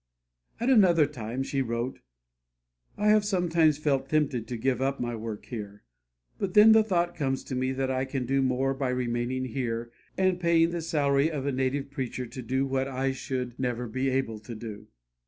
At another time she wrote: "I have sometimes felt tempted to give up my work here, but then the thought comes to me that I can do more by remaining here, and paying the salary of a native preacher to do what I should never be able to do."